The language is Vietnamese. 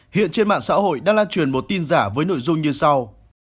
hiện trên mạng xã hội đang lan truyền một tin giả với nội dung như sau